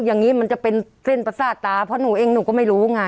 อย่างนี้มันจะเป็นเส้นประสาทตาเพราะหนูเองหนูก็ไม่รู้ไง